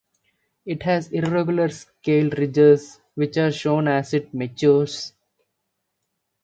It has irregular scaled ridges which are shown as it matures.